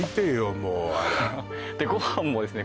もうあれでご飯もですね